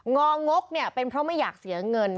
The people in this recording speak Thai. งองกเป็นเพราะไม่อยากเสียเงิน